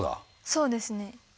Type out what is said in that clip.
そうですね。